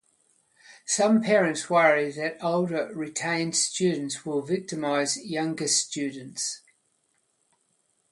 Some parents worry that older retained students will victimize younger students.